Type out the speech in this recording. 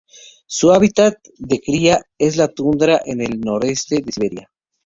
Su hábitat de cría es la tundra en el noreste de Siberia.